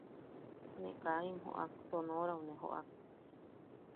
Ne kaa im joʼak, Sonorau ne joʼak.